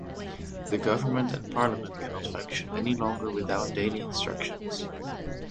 The government and parliament cannot function any longer without daily instructions.